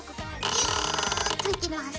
ギューッといきます。